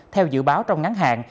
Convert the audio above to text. theo dự báo trong ngắn hạn